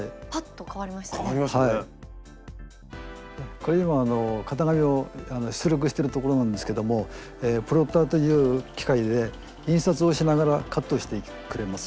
これ今型紙を出力してるところなんですけどもプロッターという機械で印刷をしながらカットしてくれます。